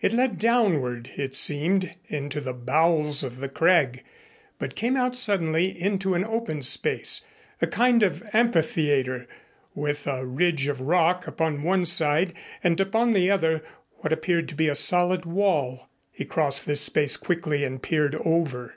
It led downward it seemed into the bowels of the crag, but came out suddenly into an open space, a kind of amphitheater, with a ridge of rock upon one side, and upon the other what appeared to be a solid wall. He crossed this space quickly and peered over.